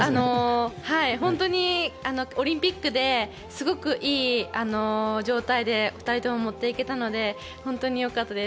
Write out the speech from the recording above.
本当にオリンピックですごくいい状態で２人とも持っていけたので本当によかったです。